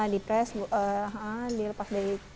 di press dilepas dari